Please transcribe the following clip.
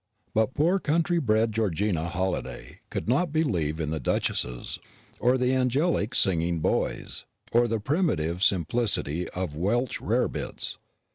But poor country bred Georgina Halliday would not believe in the duchesses, or the angelic singing boys, or the primitive simplicity of Welsh rarebits.